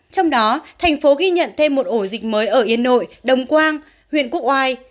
trong đó thành phố ghi nhận thêm một ổ dịch mới ở yên nội đồng quang huyện quốc oai